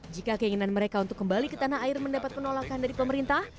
jika keinginan mereka untuk kembali ke tanah air mendapat penolakan dari pemerintah